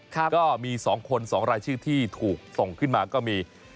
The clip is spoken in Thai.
ก็มี๒คน๒รายชื่อที่ถูกส่งขึ้นมาก็มี